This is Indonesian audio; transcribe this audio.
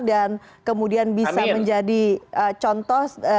dan kemudian bisa menjadi contoh